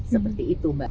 seperti itu mbak